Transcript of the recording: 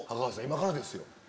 今からですよ。